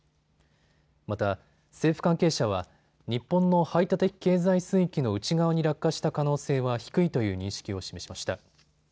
また政府関係者は日本の排他的経済水域の内側に落下した可能性は低いという認識を示しました。